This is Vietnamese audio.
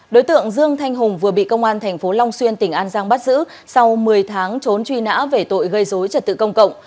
đối tượng dương thanh hùng vừa bị công an tp long xuyên tỉnh an giang bắt giữ sau một mươi tháng trốn truy nã về tội gây dối trật tự công cộng